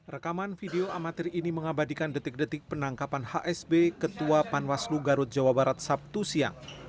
rekaman video amatir ini mengabadikan detik detik penangkapan hsb ketua panwaslu garut jawa barat sabtu siang